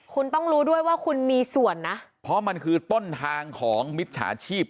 คุณต้องรู้ด้วยว่าคุณมีส่วนนะเพราะมันคือต้นทางของมิจฉาชีพ